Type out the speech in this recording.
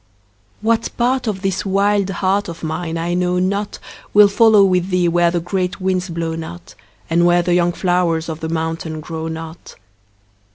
What part of this wild heart of mine I know not Will follow with thee where the great winds blow not, And where the young flowers of the mountain grow not.